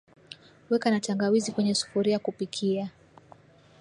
weka na tangawizi kwenye sufuria kupikia